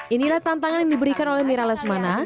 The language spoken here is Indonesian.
inilah tantangan yang diberikan oleh mira lesmana